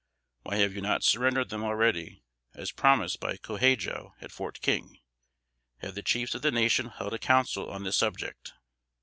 Why have you not surrendered them already, as promised by Co Hadjo at Fort King? Have the chiefs of the nation held a council on this subject?"